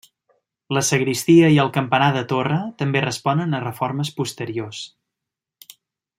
La sagristia i el campanar de torre també responen a reformes posteriors.